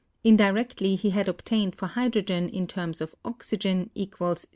Indirectly he had obtained for hydrogen in terms of oxygen = 16.